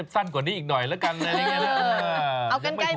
สั้นกว่านี้อีกหน่อยแล้วกันอะไรอย่างนี้นะ